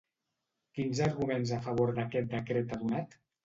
Quins arguments a favor d'aquest decret ha donat?